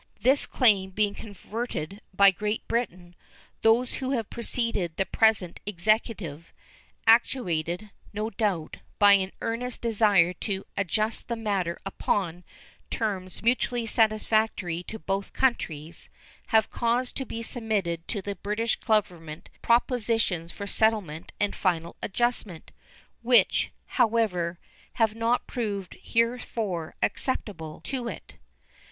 This claim being controverted by Great Britain, those who have preceded the present Executive actuated, no doubt, by an earnest desire to adjust the matter upon terms mutually satisfactory to both countries have caused to be submitted to the British Government propositions for settlement and final adjustment, which, however, have not proved heretofore acceptable to it.